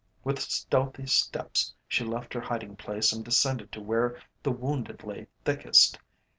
With stealthy steps she left her hiding place and descended to where the wounded lay thickest.